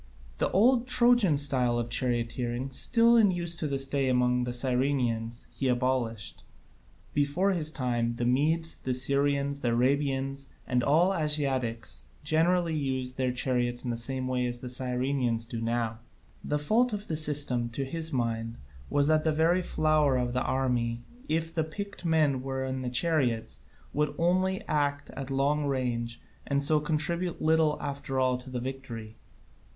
The old Trojan type of charioteering, still in use to this day among the Cyrenaeans, he abolished; before his time the Medes, the Syrians, the Arabians, and all Asiatics generally, used their chariots in the same way as the Cyrenaeans do now. The fault of the system to his mind was that the very flower of the army, if the picked men were in the chariots, could only act at long range and so contribute little after all to the victory.